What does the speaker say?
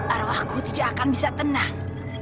arwahku tidak akan bisa tenang